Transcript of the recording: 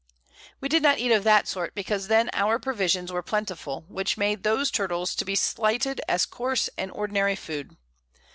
We did not eat of that sort, because then our Provisions were plentiful, which made those Turtles to be slighted as coarse and ordinary Food.